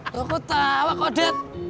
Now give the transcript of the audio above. lo ketawa kok dad